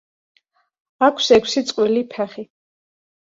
აქვს ექვსი წყვილი ფეხი.